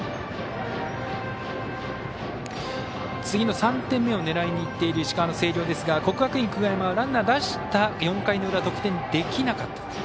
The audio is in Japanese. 次の３点目を狙いにいっている石川の星稜ですが国学院久我山はランナー出した４回の裏得点できなかった。